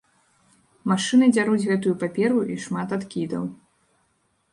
Машыны дзяруць гэтую паперу, і шмат адкідаў.